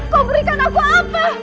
kau berikan aku apa